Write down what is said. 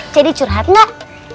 jadi curhat gak